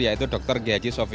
yaitu dr g h sofyan